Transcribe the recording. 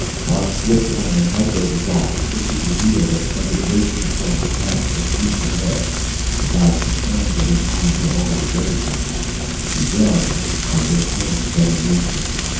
Barth flipped on the microresolver, twisting the wheel that sent it racing across the path of the fleet ahead. His eyes confirmed what his mind had already recognized. The aliens had their own federation.